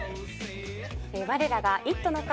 我らが「イット！」の顔